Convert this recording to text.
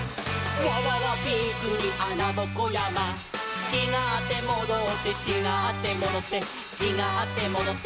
「わわわびっくりあなぼこやま」「ちがってもどって」「ちがってもどってちがってもどって」